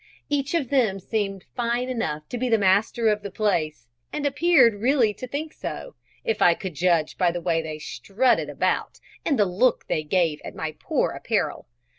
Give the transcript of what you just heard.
Each of them seemed fine enough to be the master of the place, and appeared really to think so, if I could judge by the way they strutted about and the look they gave at my poor apparel.